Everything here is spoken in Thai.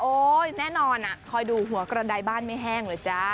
โอ้ยแน่นอนอะคอยดูหัวกระดายบ้านไม่แห้งหรือจ๊ะ